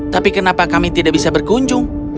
tapi kenapa kami tidak bisa berkunjung